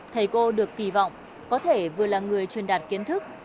thầy cô được kỳ vọng có thể vừa là người truyền đạt kiến thức